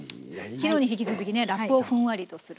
昨日に引き続きねラップをふんわりとする。